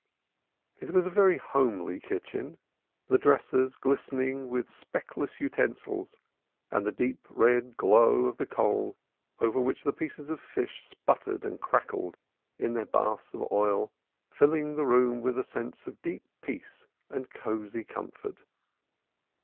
It was a very homely kitchen; the dressers glistening with speckless utensils, and the deep red glow of the coal over which the pieces of fish sputtered and crackled in their bath of oil, filling the room with a sense of deep peace and cosy comfort.